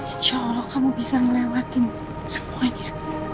insya allah kamu bisa ngelewatin semuanya